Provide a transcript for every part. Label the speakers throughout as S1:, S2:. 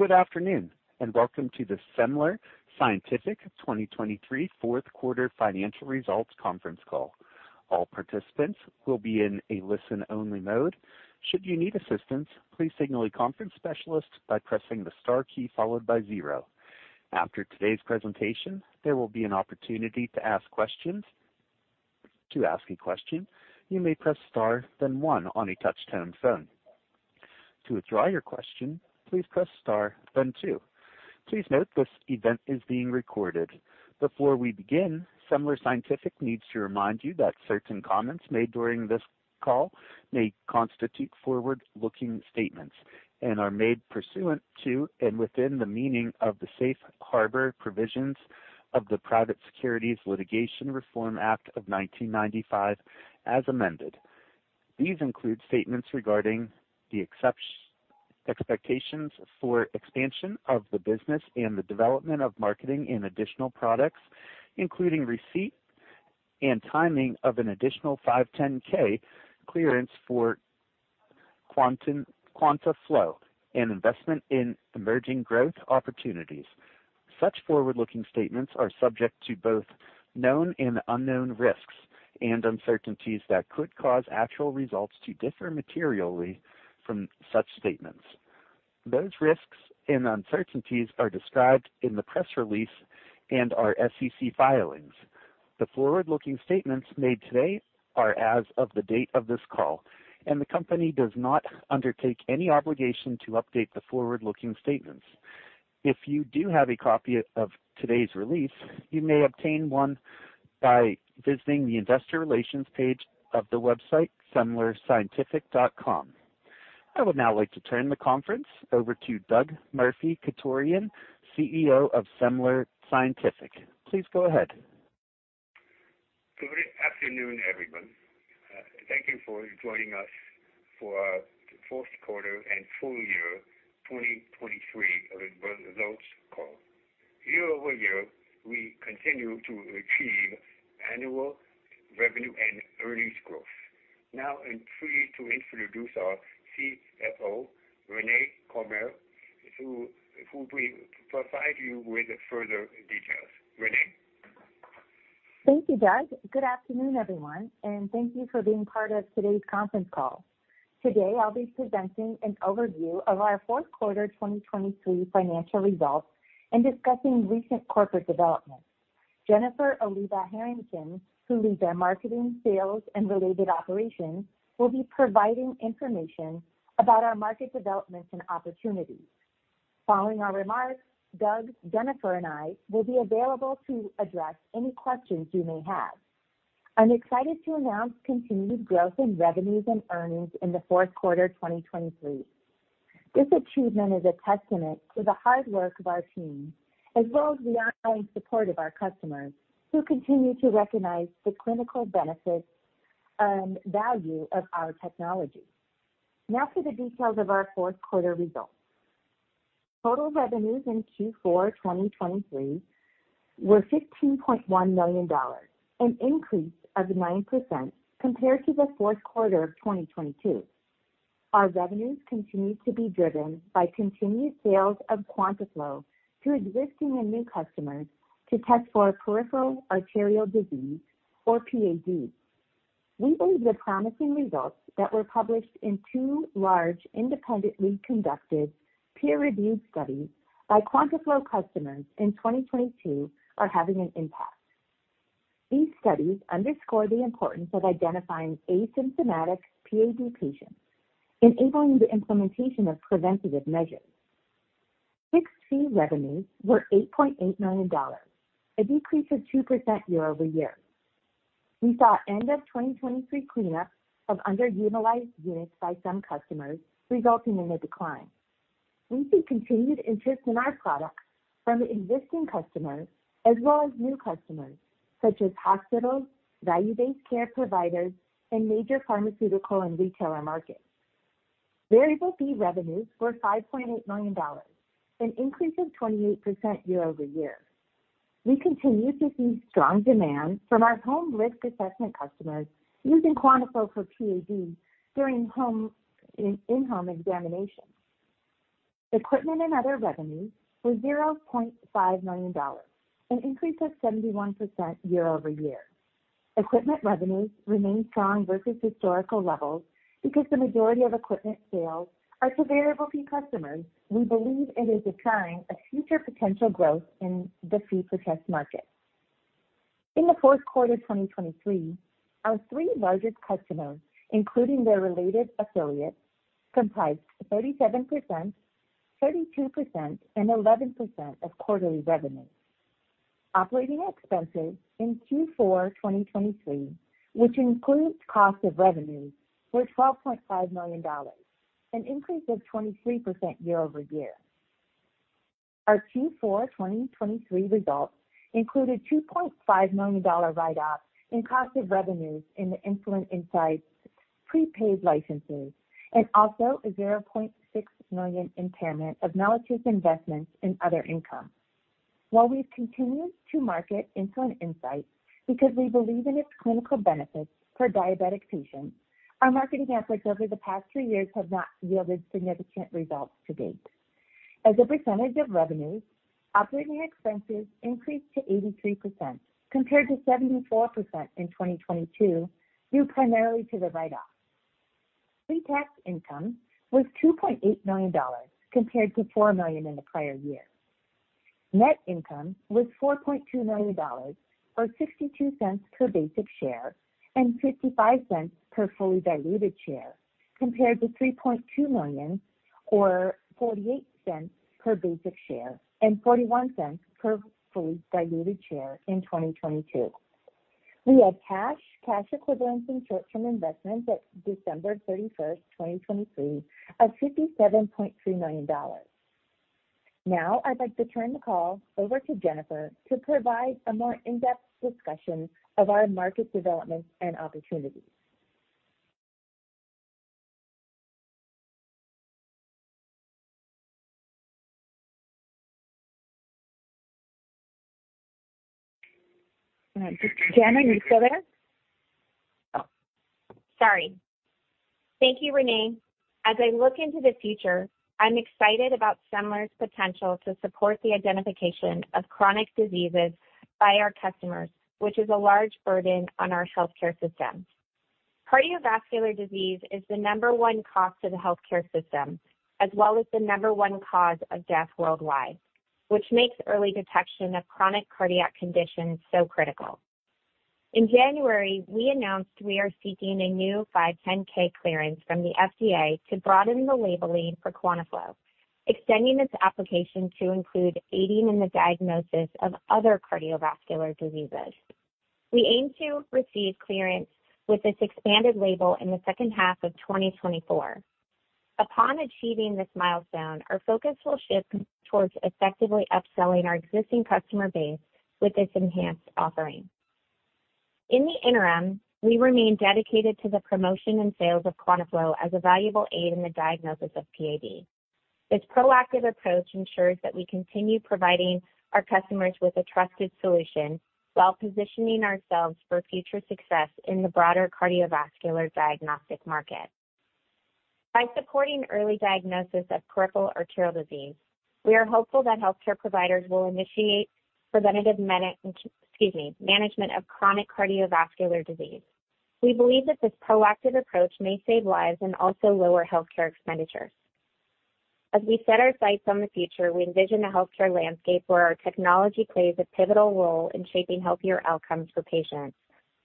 S1: Good afternoon and welcome to the Semler Scientific 2023 fourth quarter financial results conference call. All participants will be in a listen-only mode. Should you need assistance, please signal a conference specialist by pressing the star key followed by zero. After today's presentation, there will be an opportunity to ask questions. To ask a question, you may press star then one on a touch-tone phone. To withdraw your question, please press star then two. Please note this event is being recorded. Before we begin, Semler Scientific needs to remind you that certain comments made during this call may constitute forward-looking statements and are made pursuant to and within the meaning of the Safe Harbor provisions of the Private Securities Litigation Reform Act of 1995 as amended. These include statements regarding the expected expectations for expansion of the business and the development of marketing and additional products, including receipt and timing of an additional 510(k) clearance for QuantaFlo and investment in emerging growth opportunities. Such forward-looking statements are subject to both known and unknown risks and uncertainties that could cause actual results to differ materially from such statements. Those risks and uncertainties are described in the press release and our SEC filings. The forward-looking statements made today are as of the date of this call, and the company does not undertake any obligation to update the forward-looking statements. If you do have a copy of today's release, you may obtain one by visiting the investor relations page of the website semlerscientific.com. I would now like to turn the conference over to Doug Murphy-Chutorian, CEO of Semler Scientific. Please go ahead.
S2: Good afternoon, everyone. Thank you for joining us for our fourth quarter and full year 2023 of the results call. Year-over-year, we continue to achieve annual revenue and earnings growth. Now I'm pleased to introduce our CFO, Renae Cormier, who will provide you with further details. Renae?
S3: Thank you, Doug. Good afternoon, everyone, and thank you for being part of today's conference call. Today, I'll be presenting an overview of our fourth quarter 2023 financial results and discussing recent corporate developments. Jennifer Oliva Herrington, who leads our marketing, sales, and related operations, will be providing information about our market developments and opportunities. Following our remarks, Doug, Jennifer, and I will be available to address any questions you may have. I'm excited to announce continued growth in revenues and earnings in the fourth quarter 2023. This achievement is a testament to the hard work of our team as well as the ongoing support of our customers who continue to recognize the clinical benefits and value of our technology. Now for the details of our fourth quarter results. Total revenues in Q4 2023 were $15.1 million, an increase of 9% compared to the fourth quarter of 2022. Our revenues continue to be driven by continued sales of QuantaFlo to existing and new customers to test for peripheral arterial disease or PAD. We believe the promising results that were published in two large, independently conducted, peer-reviewed studies by QuantaFlo customers in 2022 are having an impact. These studies underscore the importance of identifying asymptomatic PAD patients, enabling the implementation of preventative measures. Fixed fee revenues were $8.8 million, a decrease of 2% year-over-year. We saw end-of-2023 cleanup of underutilized units by some customers, resulting in a decline. We see continued interest in our products from existing customers as well as new customers such as hospitals, value-based care providers, and major pharmaceutical and retailer markets. Variable fee revenues were $5.8 million, an increase of 28% year-over-year. We continue to see strong demand from our home risk assessment customers using QuantaFlo for PAD during in-home examinations. Equipment and other revenues were $0.5 million, an increase of 71% year-over-year. Equipment revenues remain strong versus historical levels because the majority of equipment sales are to variable fee customers; we believe it is a sign of future potential growth in the fee-for-test market. In the fourth quarter 2023, our three largest customers, including their related affiliates, comprised 37%, 32%, and 11% of quarterly revenues. Operating expenses in Q4 2023, which include cost of revenues, were $12.5 million, an increase of 23% year-over-year. Our Q4 2023 results included $2.5 million write-off in cost of revenues in the Insulin Insights prepaid licenses and also a $0.6 million impairment of Mellitus investments and other income. While we've continued to market Insulin Insights because we believe in its clinical benefits for diabetic patients, our marketing efforts over the past three years have not yielded significant results to date. As a percentage of revenues, operating expenses increased to 83% compared to 74% in 2022 due primarily to the write-off. Pre-tax income was $2.8 million compared to $4 million in the prior year. Net income was $4.2 million or $0.62 per basic share and $0.55 per fully diluted share compared to $3.2 million or $0.48 per basic share and $0.41 per fully diluted share in 2022. We had cash and cash equivalents in short-term investments at December 31st, 2023, of $57.3 million. Now I'd like to turn the call over to Jennifer to provide a more in-depth discussion of our market developments and opportunities. Jen, are you still there?
S4: Oh, sorry. Thank you, Renae. As I look into the future, I'm excited about Semler's potential to support the identification of chronic diseases by our customers, which is a large burden on our healthcare system. Cardiovascular disease is the number one cost to the healthcare system as well as the number one cause of death worldwide, which makes early detection of chronic cardiac conditions so critical. In January, we announced we are seeking a new 510(k) clearance from the FDA to broaden the labeling for QuantaFlo, extending its application to include aiding in the diagnosis of other cardiovascular diseases. We aim to receive clearance with this expanded label in the second half of 2024. Upon achieving this milestone, our focus will shift towards effectively upselling our existing customer base with this enhanced offering. In the interim, we remain dedicated to the promotion and sales of QuantaFlo as a valuable aid in the diagnosis of PAD. This proactive approach ensures that we continue providing our customers with a trusted solution while positioning ourselves for future success in the broader cardiovascular diagnostic market. By supporting early diagnosis of peripheral arterial disease, we are hopeful that healthcare providers will initiate preventative management of chronic cardiovascular disease. We believe that this proactive approach may save lives and also lower healthcare expenditures. As we set our sights on the future, we envision a healthcare landscape where our technology plays a pivotal role in shaping healthier outcomes for patients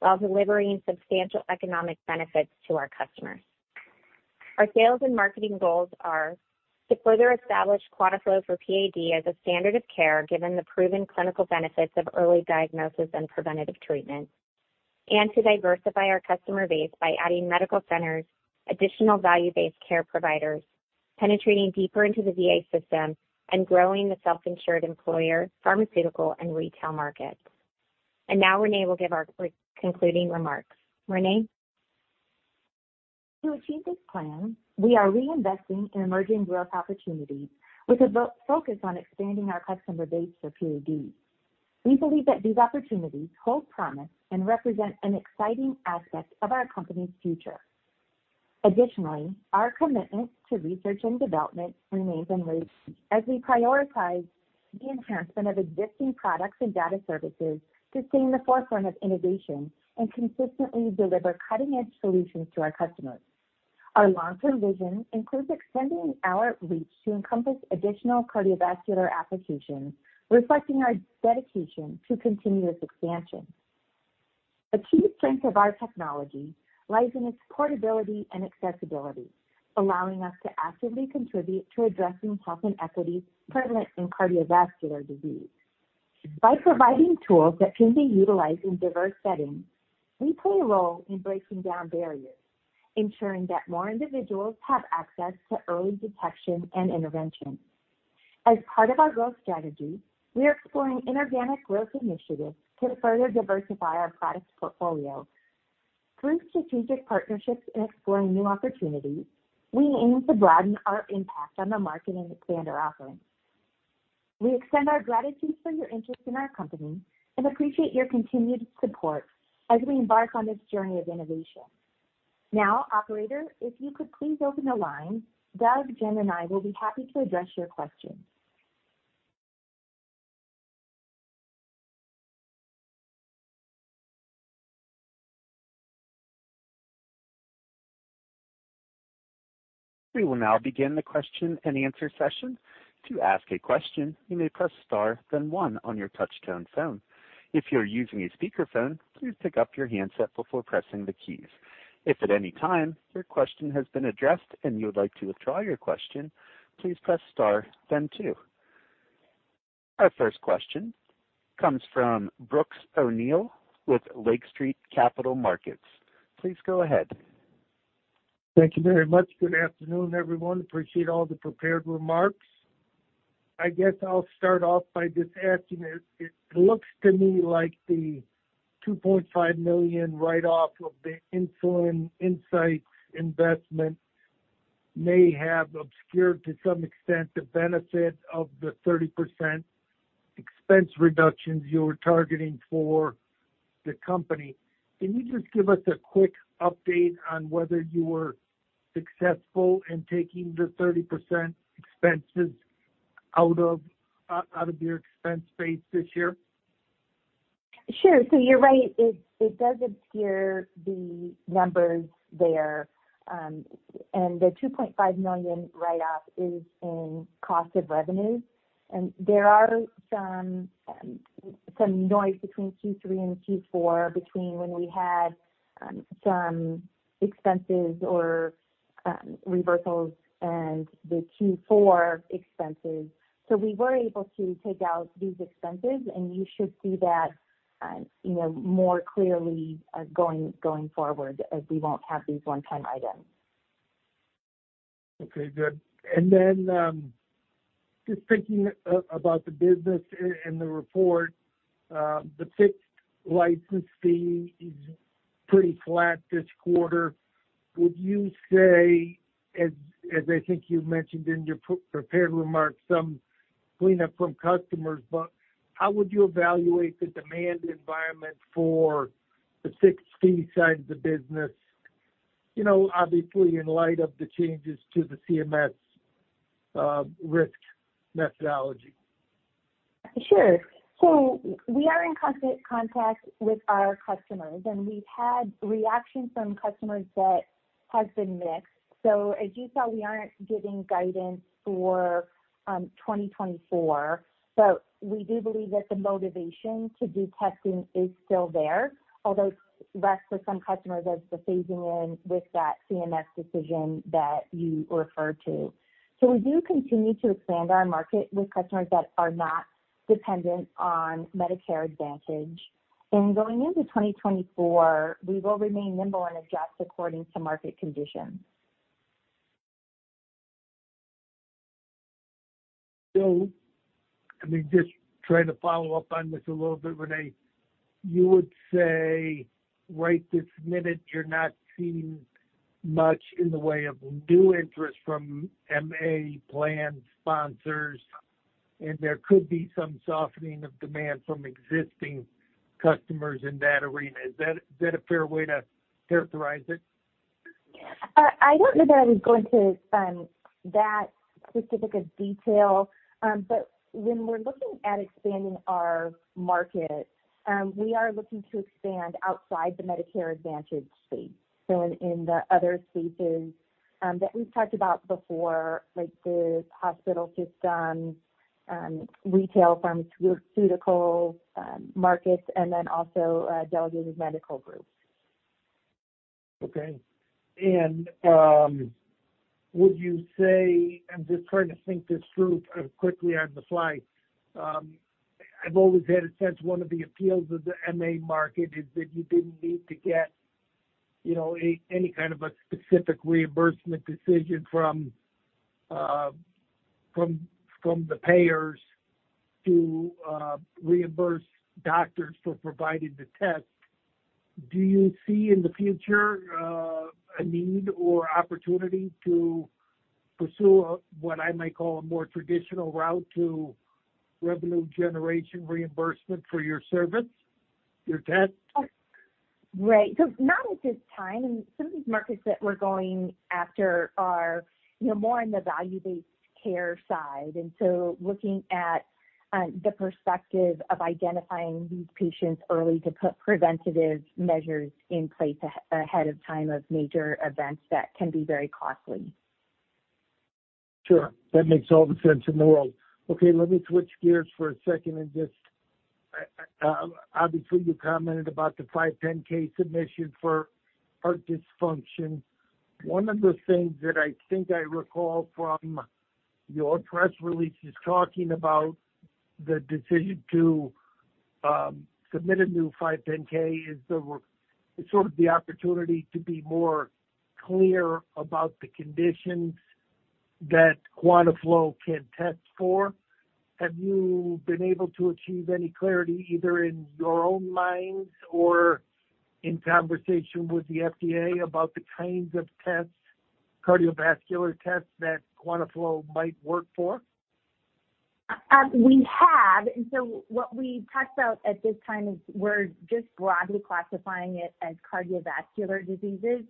S4: while delivering substantial economic benefits to our customers. Our sales and marketing goals are to further establish QuantaFlo for PAD as a standard of care given the proven clinical benefits of early diagnosis and preventative treatment, and to diversify our customer base by adding medical centers, additional value-based care providers, penetrating deeper into the VA system, and growing the self-insured employer, pharmaceutical, and retail markets. And now Renae will give our concluding remarks. Renae?
S3: To achieve this plan, we are reinvesting in emerging growth opportunities with a focus on expanding our customer base for PAD. We believe that these opportunities hold promise and represent an exciting aspect of our company's future. Additionally, our commitment to research and development remains unwavering as we prioritize the enhancement of existing products and data services to stay in the forefront of innovation and consistently deliver cutting-edge solutions to our customers. Our long-term vision includes extending our reach to encompass additional cardiovascular applications, reflecting our dedication to continuous expansion. A key strength of our technology lies in its portability and accessibility, allowing us to actively contribute to addressing health inequities prevalent in cardiovascular disease. By providing tools that can be utilized in diverse settings, we play a role in breaking down barriers, ensuring that more individuals have access to early detection and intervention. As part of our growth strategy, we are exploring inorganic growth initiatives to further diversify our product portfolio. Through strategic partnerships and exploring new opportunities, we aim to broaden our impact on the market and expand our offerings. We extend our gratitude for your interest in our company and appreciate your continued support as we embark on this journey of innovation. Now, operator, if you could please open the line, Doug, Jen, and I will be happy to address your questions.
S1: We will now begin the question and answer session. "To ask a question, you may press star, then one" on your touchscreen phone. If you're using a speakerphone, please pick up your handset before pressing the keys. If at any time your question has been addressed and you would like to withdraw your question, "please press star, then two". Our first question comes from Brooks O'Neil with Lake Street Capital Markets. Please go ahead.
S5: Thank you very much. Good afternoon, everyone. Appreciate all the prepared remarks. I guess I'll start off by just asking, it looks to me like the $2.5 million write-off of the Insulin Insights investment may have obscured to some extent the benefit of the 30% expense reductions you were targeting for the company. Can you just give us a quick update on whether you were successful in taking the 30% expenses out of your expense base this year?
S3: Sure. So you're right. It does obscure the numbers there. And the $2.5 million write-off is in cost of revenue. And there are some noise between Q3 and Q4 between when we had some expenses or reversals and the Q4 expenses. So we were able to take out these expenses, and you should see that more clearly going forward as we won't have these one-time items.
S5: Okay. Good. Just thinking about the business and the report, the fixed license fee is pretty flat this quarter. Would you say, as I think you mentioned in your prepared remarks, some cleanup from customers, but how would you evaluate the demand environment for the fixed fee side of the business, obviously in light of the changes to the CMS risk methodology?
S3: Sure. So we are in contact with our customers, and we've had reactions from customers that have been mixed. So as you saw, we aren't giving guidance for 2024, but we do believe that the motivation to do testing is still there, although it's left for some customers as the phasing in with that CMS decision that you referred to. So we do continue to expand our market with customers that are not dependent on Medicare Advantage. And going into 2024, we will remain nimble and adjust according to market conditions.
S5: I mean, just trying to follow up on this a little bit, Renae, you would say right this minute, you're not seeing much in the way of new interest from MA plan sponsors, and there could be some softening of demand from existing customers in that arena. Is that a fair way to characterize it?
S3: I don't know that I was going to that specific of detail, but when we're looking at expanding our market, we are looking to expand outside the Medicare Advantage space. So in the other spaces that we've talked about before, like the hospital system, retail pharmaceutical markets, and then also delegated medical groups.
S5: Okay. Would you say I'm just trying to think this through quickly on the fly. I've always had a sense one of the appeals of the MA market is that you didn't need to get any kind of a specific reimbursement decision from the payers to reimburse doctors for providing the test. Do you see in the future a need or opportunity to pursue what I might call a more traditional route to revenue generation reimbursement for your service, your test?
S3: Right. So not at this time. And some of these markets that we're going after are more on the value-based care side. And so looking at the perspective of identifying these patients early to put preventative measures in place ahead of time of major events that can be very costly.
S5: Sure. That makes all the sense in the world. Okay. Let me switch gears for a second and just obviously, you commented about the 510(k) submission for heart dysfunction. One of the things that I think I recall from your press releases talking about the decision to submit a new 510(k) is sort of the opportunity to be more clear about the conditions that QuantaFlo can test for. Have you been able to achieve any clarity either in your own minds or in conversation with the FDA about the kinds of tests, cardiovascular tests that QuantaFlo might work for?
S3: We have. So what we talked about at this time is we're just broadly classifying it as cardiovascular diseases.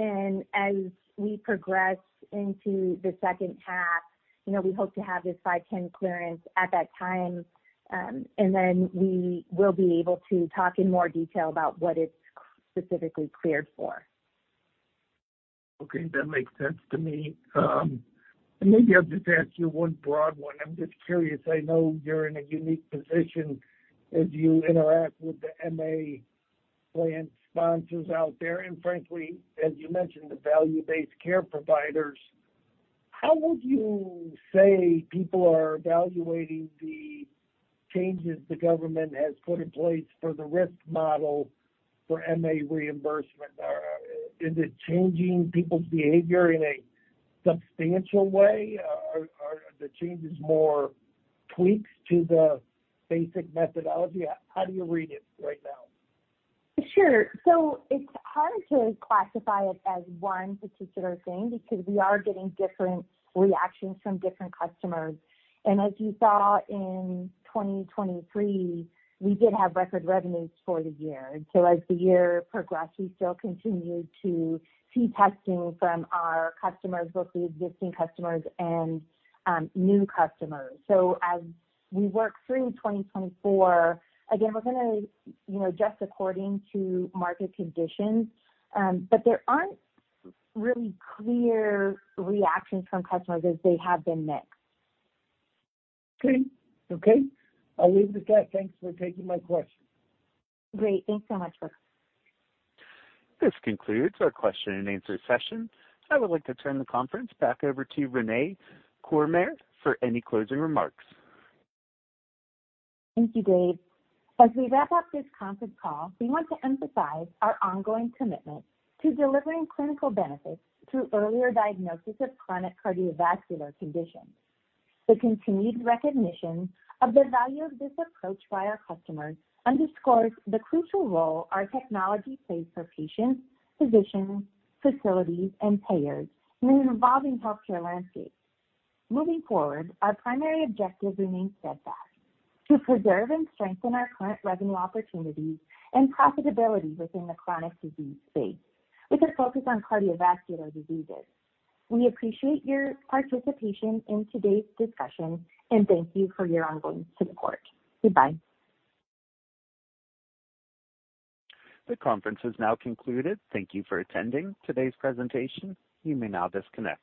S3: As we progress into the second half, we hope to have this 510(k) clearance at that time. Then we will be able to talk in more detail about what it's specifically cleared for.
S5: Okay. That makes sense to me. And maybe I'll just ask you one broad one. I'm just curious. I know you're in a unique position as you interact with the MA plan sponsors out there. And frankly, as you mentioned, the value-based care providers, how would you say people are evaluating the changes the government has put in place for the risk model for MA reimbursement? Is it changing people's behavior in a substantial way? Are the changes more tweaks to the basic methodology? How do you read it right now?
S3: Sure. So it's hard to classify it as one particular thing because we are getting different reactions from different customers. And as you saw in 2023, we did have record revenues for the year. And so as the year progressed, we still continued to see testing from our customers, both the existing customers and new customers. So as we work through 2024, again, we're going to adjust according to market conditions. But there aren't really clear reactions from customers as they have been mixed.
S5: Okay. Okay. I'll leave it at that. Thanks for taking my question.
S3: Great. Thanks so much, Brooks.
S1: This concludes our question and answer session. I would like to turn the conference back over to Renae Cormier for any closing remarks.
S3: Thank you, Dave. As we wrap up this conference call, we want to emphasize our ongoing commitment to delivering clinical benefits through earlier diagnosis of chronic cardiovascular conditions. The continued recognition of the value of this approach by our customers underscores the crucial role our technology plays for patients, physicians, facilities, and payers in an evolving healthcare landscape. Moving forward, our primary objective remains steadfast: to preserve and strengthen our current revenue opportunities and profitability within the chronic disease space with a focus on cardiovascular diseases. We appreciate your participation in today's discussion, and thank you for your ongoing support. Goodbye.
S1: The conference has now concluded. Thank you for attending today's presentation. You may now disconnect.